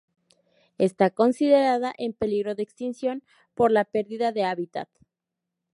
Está considerada en peligro de extinción por la perdida de hábitat.